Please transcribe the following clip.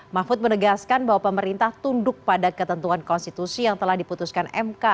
mahfud menegaskan bahwa pemerintah tunduk pada ketentuan konstitusi yang telah diputuskan mk